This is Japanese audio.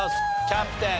キャプテン！